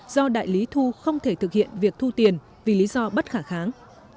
do đại lý thu không thể thực hiện việc thu tiền vì lý do bất khả kháng